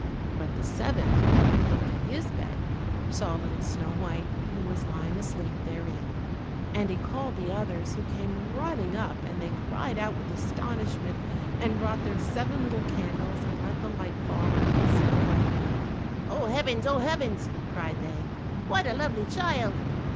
But the seventh when he looked at his bed saw little Snow white, who was lying asleep therein. And he called the others, who came running up, and they cried out with astonishment, and brought their seven little candles and let the light fall on little Snow white. "Oh, heavens! oh, heavens!" cried they, "what a lovely child!"